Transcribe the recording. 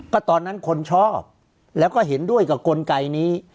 ก็ตอนนั้นคนชอบแล้วก็เห็นด้วยกับกลไกนี้